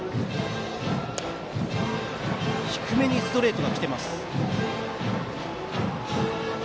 低めにストレートが来ています。